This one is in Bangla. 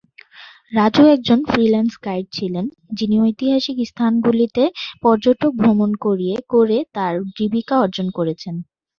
রাজু একজন ফ্রিল্যান্স গাইড ছিলেন, যিনি ঐতিহাসিক স্থানগুলিতে পর্যটক ভ্রমণ করিয়ে করে তার জীবিকা অর্জন করেছেন।